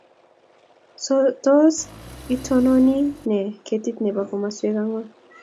Tos iititoi née ketit nebo komoswek angwan